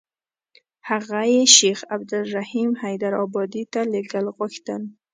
هغه یې شیخ عبدالرحیم حیدارآبادي ته لېږل غوښتل.